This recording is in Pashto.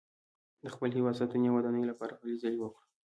د خپل هېواد ساتنې او ودانۍ لپاره هلې ځلې وکړو.